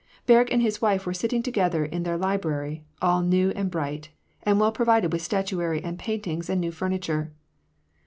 Berg and his wife were sitting together in their library, all new and bright, and well provided with statuary and paintings and new furniture.